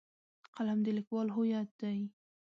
قلم د لیکوال هویت دی.